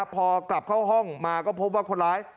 พอกลับเข้าห้องมาก็พบว่าคนร้าย